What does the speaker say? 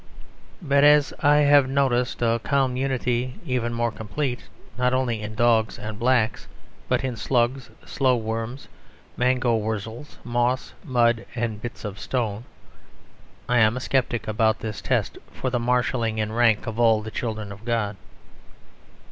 But as I have noticed a calm unity even more complete, not only in dogs and negroes, but in slugs, slow worms, mangoldwurzels, moss, mud and bits of stone, I am a sceptic about this test for the marshalling in rank of all the children of God.